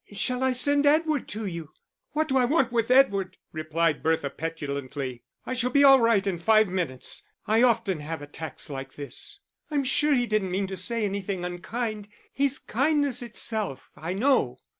"Shall I send Edward to you?" "What do I want with Edward?" replied Bertha, petulantly. "I shall be all right in five minutes. I often have attacks like this." "I'm sure he didn't mean to say anything unkind. He's kindness itself, I know."